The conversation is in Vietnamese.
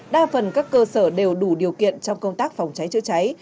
đa phần các cơ sở đều đủ điều kiện trong công tác phòng cháy chữa cháy